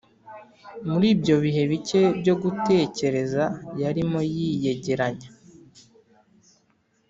muri ibyo bihe bike byo gutekereza yarimo yiyegeranya,